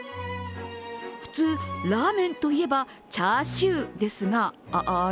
普通、ラーメンといえばチャーシューですが、あれ？